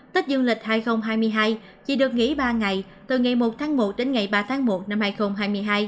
tết dương lịch hai nghìn hai mươi hai chỉ được nghỉ ba ngày từ ngày một tháng một đến ngày ba tháng một năm hai nghìn hai mươi hai